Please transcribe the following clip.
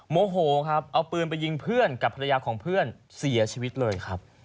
โมโหครับเอาปืนไปยิงเพื่อนกับภรรยาของเพื่อนเสียชีวิตเลยครับ